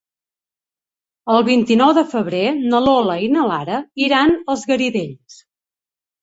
El vint-i-nou de febrer na Lola i na Lara iran als Garidells.